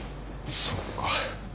そうか。